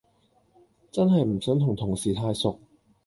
真係唔想同同事太熟